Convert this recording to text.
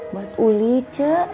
buat uli c